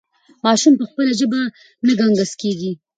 ماشوم په خپله ژبه نه ګنګس کېږي.